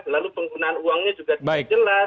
lalu penggunaan uangnya juga tidak jelas